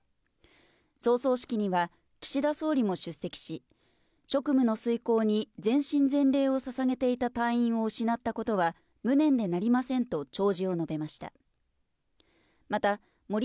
葬送式には岸田総理も出席し、職務の遂行に全身全霊をささげていた隊員を失ったことは、無念でなりませんと弔辞を述べました。